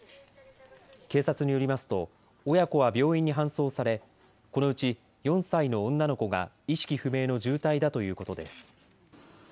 警察によりますと、親子は病院に搬送され、このうち４歳の女の子が意識不明の重体だということです。